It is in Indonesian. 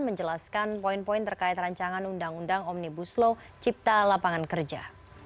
menjelaskan poin poin terkait rancangan undang undang omnibus law cipta lapangan kerja